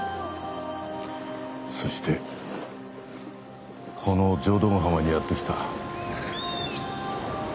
そしてこの浄土ヶ浜にやってきた。